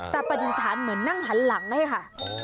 แต่ปฏิฐานเหมือนนั่งหันหลังให้ค่ะ